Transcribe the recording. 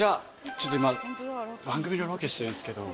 ちょっと今番組のロケしてるんですけど。